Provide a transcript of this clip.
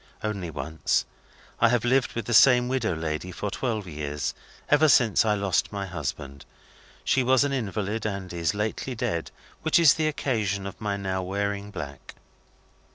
"Only once. I have lived with the same widow lady for twelve years. Ever since I lost my husband. She was an invalid, and is lately dead: which is the occasion of my now wearing black."